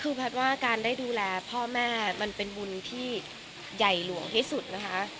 คือแพทย์ว่าการได้ดูแลพ่อแม่มันเป็นบุญที่ใหญ่หลวงที่สุดนะคะ